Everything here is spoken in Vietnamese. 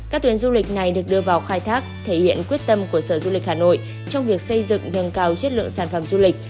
các tuyến du lịch này được đưa vào khai thác thể hiện quyết tâm của sở du lịch hà nội trong việc xây dựng nâng cao chất lượng sản phẩm du lịch